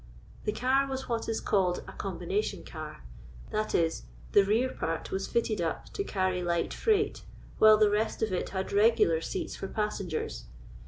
The car was what is called a combination car ; that is, the rear part was fitted up to carry light freight, while the rest of it had regular seats for passengers.